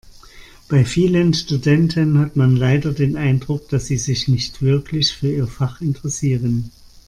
Bei vielen Studenten hat man leider den Eindruck, dass sie sich nicht wirklich für ihr Fach interessieren.